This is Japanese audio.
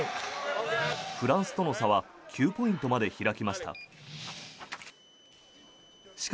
フランスとの差は９ポイントまで開きました。